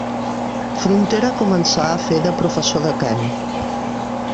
Frontera començà a fer de professor de cant.